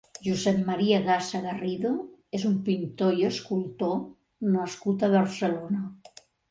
Josep Maria Gasa Garrido és un pintor i escultor nascut a Barcelona.